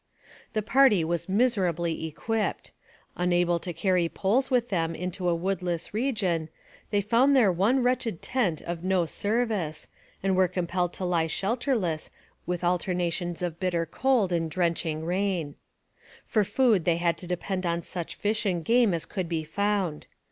The party was miserably equipped. Unable to carry poles with them into a woodless region, they found their one wretched tent of no service and were compelled to lie shelterless with alternations of bitter cold and drenching rain. For food they had to depend on such fish and game as could be found.